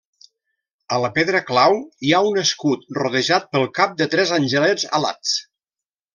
A la pedra clau hi ha un escut rodejat pel cap de tres angelets alats.